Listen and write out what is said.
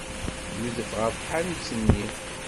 Yudef ɣer tḥanut-nni.